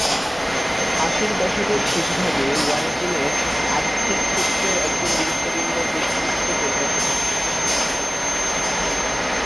আশির দশকের শেষভাগে ওয়াং চীনের আর্থিক ক্ষেত্রের একজন গুরুত্বপূর্ণ ব্যক্তিত্বে পরিণত হন।